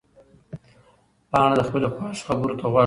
پاڼه د خپلې خواښې خبرو ته غوږ وه.